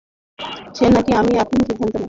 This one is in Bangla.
সে নাকি আমি, এখনই সিদ্ধান্ত নে।